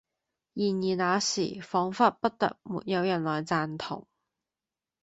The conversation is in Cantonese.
然而那時仿佛不特沒有人來贊同，